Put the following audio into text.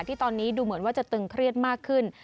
ที่ตอนนี้ดูเหมือนว่าจะตึงเครียดมากขึ้น